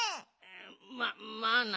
ままあな。